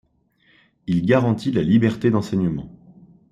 Il garantit la liberté d'enseignement.